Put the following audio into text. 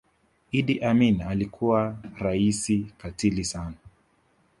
idi amin alikuwa raisi katili sana